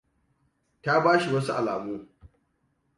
Ta ba shi wasu alamu.